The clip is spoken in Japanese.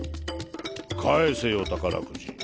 返せよ宝くじ。